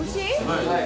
はい。